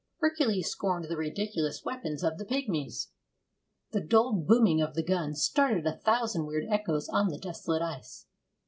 Hercules scorned the ridiculous weapons of the pigmies! The dull booming of the gun started a thousand weird echoes on the desolate ice.